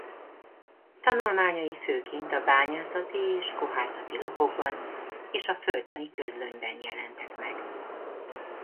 Tanulmányai főként a Bányászati és Kohászati Lapokban és a Földtani Közlönyben jelentek meg.